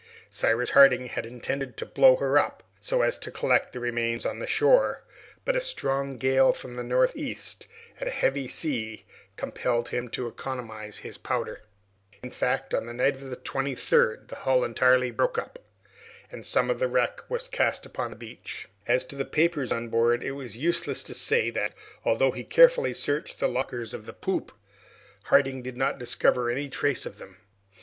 Cyrus Harding had intended to blow her up, so as to collect the remains on the shore, but a strong gale from the northeast and a heavy sea compelled him to economize his powder. In fact, on the night of the 23rd, the hull entirely broke up, and some of the wreck was cast up on the beach. As to the papers on board, it is useless to say that, although he carefully searched the lockers of the poop, Harding did not discover any trace of them.